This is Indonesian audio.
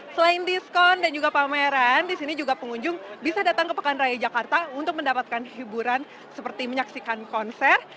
selain diskon dan juga pameran di sini juga pengunjung bisa datang ke pekan raya jakarta untuk mendapatkan hiburan seperti menyaksikan konser